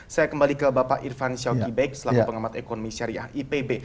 saya kembali ke bapak irfan syawakibek selaku pengamat ekonomi syariah ipb